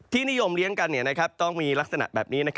นิยมเลี้ยงกันต้องมีลักษณะแบบนี้